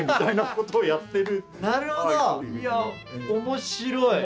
面白い。